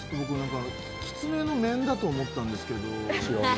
キツネの面だと思ったんですけど。